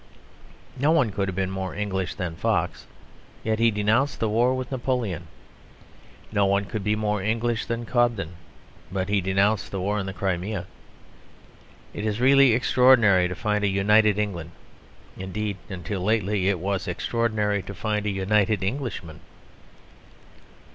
No one could have been more English than Fox, yet he denounced the war with Napoleon. No one could be more English than Cobden, but he denounced the war in the Crimea. It is really extraordinary to find a united England. Indeed, until lately, it was extraordinary to find a united Englishman.